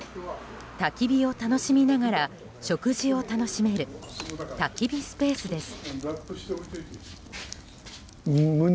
たき火を楽しみながら食事を楽しめるたき火スペースです。